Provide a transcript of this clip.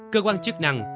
cơ quan chức năng